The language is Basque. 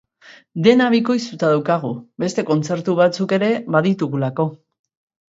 Dena bikoiztuta daukagu, beste kontzertu batzuk ere baditugulako.